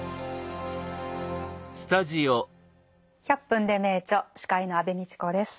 「１００分ｄｅ名著」司会の安部みちこです。